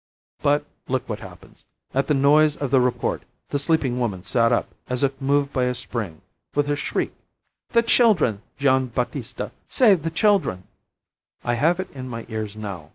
But, look what happens! At the noise of the report the sleeping woman sat up, as if moved by a spring, with a shriek, 'The children, Gian' Battista! Save the children!' I have it in my ears now.